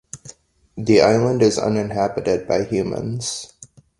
The island is uninhabited by humans.